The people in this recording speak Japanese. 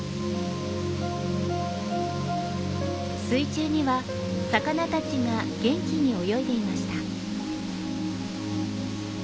水中には魚たちが元気に泳いでいました。